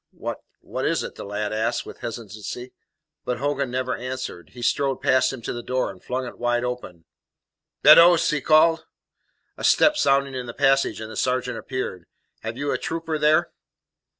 "What what is it?" the lad asked, with hesitancy. But Hogan never answered. He strode past him to the door, and flung it wide. "Beddoes!" he called. A step sounded in the passage, and the sergeant appeared. "Have you a trooper there?"